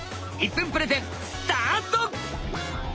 １分プレゼンスタート！